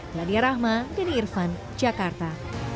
meladia rahma denny irvan jakarta